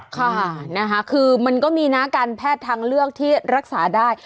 ค่ะนะคะคือมันก็มีนะการแพทย์ทางเลือกที่รักษาได้